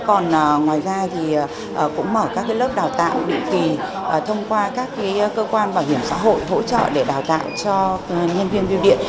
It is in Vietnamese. còn ngoài ra thì cũng mở các lớp đào tạo định kỳ thông qua các cơ quan bảo hiểm xã hội hỗ trợ để đào tạo cho nhân viên biêu điện